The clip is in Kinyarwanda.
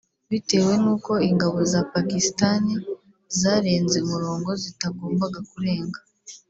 Bitewe n’uko ingabo za Pakistan zarenze umurongo zitagombaga kurenga